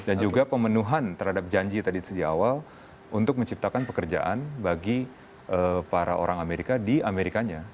dan juga pemenuhan terhadap janji tadi di awal untuk menciptakan pekerjaan bagi para orang amerika di amerikanya